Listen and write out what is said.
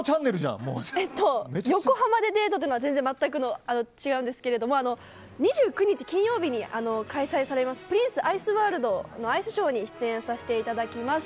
横浜でデートというのは全く違うんですけど２９日、金曜日に開催されます「プリンスアイスワールド」のアイスショーに出演させていただきます。